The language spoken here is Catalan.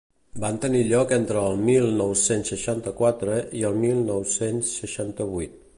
Van tenir lloc entre el mil nou-cents seixanta-quatre i el mil nou-cents seixanta-vuit.